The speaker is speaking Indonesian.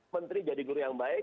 menteri jadi guru yang baik